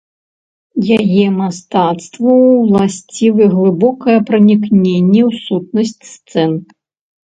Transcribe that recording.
Яе мастацтву ўласцівы глыбокае пранікненне ў сутнасць сцэн.